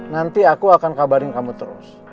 nanti aku akan kabarin kamu terus